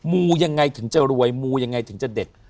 มูยังไงถึงจะรวยมูยังไงถึงจะเด็ด